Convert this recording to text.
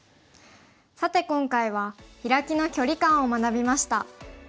さて今回はヒラキの距離感を学びました。